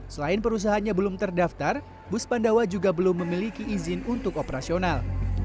selain perusahaannya belum terdaftar bus pandawa juga belum memiliki izin untuk operasional